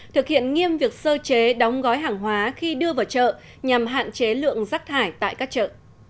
thực hiện nghiêm việc sơ chế đóng gói hàng hóa khi đưa vào chợ nhằm hạn chế lượng rắc thải tại các chợ